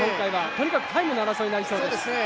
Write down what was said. とにかくタイムの争いになりそうです。